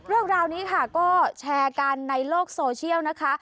เรื่องราวนี้ค่ะก็แชร์กันในโลกโซเชียลนะคะ